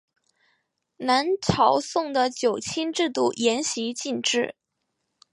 南朝宋的九卿制度沿袭晋制。